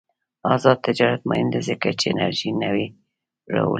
آزاد تجارت مهم دی ځکه چې انرژي نوې راوړي.